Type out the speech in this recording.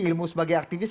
ilmu sebagai aktivis